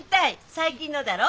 最近のだろ？